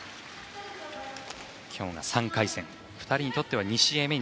今日が３回戦２人にとっては２試合目。